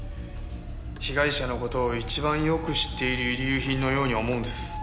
被害者の事を一番よく知っている遺留品のように思うんです。